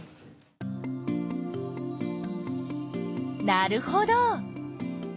なるほど！